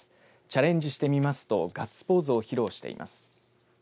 チャレンジしてみますとガッツポーズを披露しています。